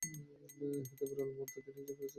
একটি বিরল মতে, তিনি একজন ফেরেশতা ছিলেন।